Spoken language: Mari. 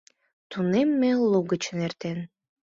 Тунемме лугычын эртен.